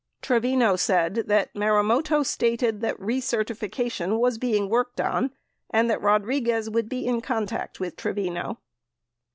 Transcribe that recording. Tre vino said Marumoto stated that recertification was being worked on and that Rodriguez would be in contact with Trevino.